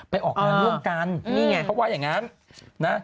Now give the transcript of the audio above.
ไปออกงานเรื่องการเขาว่าอย่างนั้น